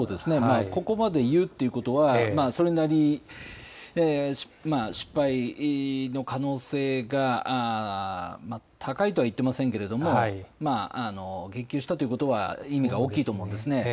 ここまで言うということはそれなりに失敗の可能性が高いとは言っていませんが、言及したということは意味が大きいと思うんです。